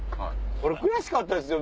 悔しかったですよ